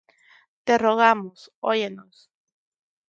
Te rogamos, óyenos.